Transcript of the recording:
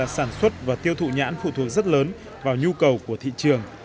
sản xuất nhãn phụ thuộc rất lớn vào nhu cầu của thị trường